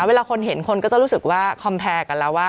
เวลาคนเห็นคนก็จะรู้สึกว่าคอมแพรกันแล้วว่า